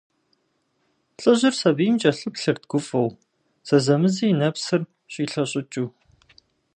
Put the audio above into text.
ЛӀыжьыр сабийм кӀэлъыплъырт гуфӀэу, зэзэмызи и нэпсыр щӀилъэщӀыкӀыу.